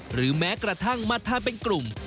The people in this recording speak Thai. หรือแม้กระทั่งมาทานเป็นกลุ่ม